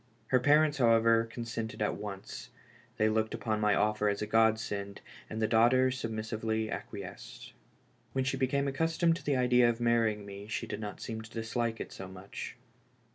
Her parents, however, consented at once ; they looked upon my offer as a godsend, and the daughter submissively acquiesced. When she be came accustomed to the idea of marrying me she did not seem to dislike it so much.